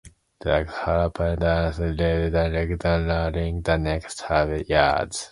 The correspondence rapidly expanded during the next seven years.